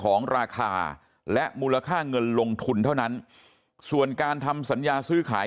ของราคาและมูลค่าเงินลงทุนเท่านั้นส่วนการทำสัญญาซื้อขาย